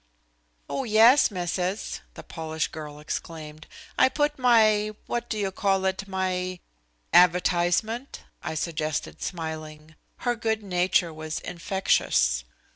"Oh, yes, Misses," the Polish girl exclaimed. "I put my what do you call it? My " "Advertisement," I suggested, smiling. Her good nature was infectious.